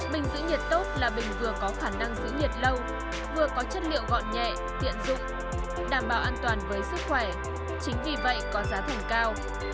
bình giữ nhiệt tốt là bình vừa có khả năng giữ nhiệt lâu vừa có chất liệu gọn nhẹ tiện dụng đảm bảo an toàn với sức khỏe chính vì vậy có giá thành cao